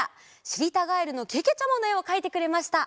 「しりたガエルのけけちゃま」のえをかいてくれました。